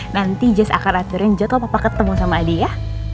nanti jazz akan aturin jatuh papa ketemu sama adi ya